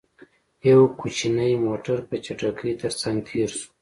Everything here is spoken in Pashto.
يو کوچينی موټر، په چټکۍ تر څنګ تېر شو.